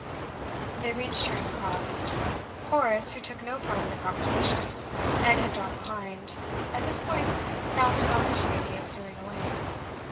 They reached Charing Cross. Horace, who took no part in the conversation, and had dropped behind, at this point found an opportunity of stealing away.